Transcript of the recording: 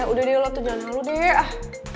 udah deh lo tuh jalan lo deh